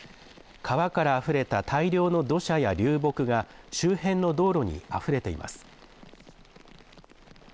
川からあふれた大量の土砂や流木が周辺の道路にあふれています。